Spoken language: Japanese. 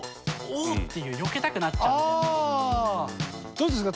どうですか？